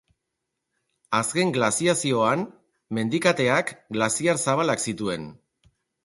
Azken glaziazioan, mendikateak, glaziar zabalak zituen.